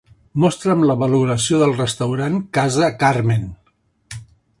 Mostra'm la valoració del restaurant Casa Carmen.